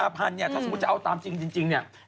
๙กุมภาพันธุ์ถ้าสมมุติจะเอาตามจริงเนี่ย